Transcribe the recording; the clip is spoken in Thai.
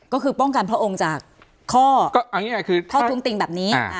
ก็คือป้องกันพระองค์จากข้อทุ่งติงแบบนี้